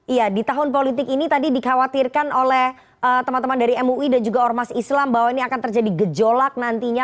iya di tahun politik ini tadi dikhawatirkan oleh teman teman dari mui dan juga ormas islam bahwa ini akan terjadi gejolak nantinya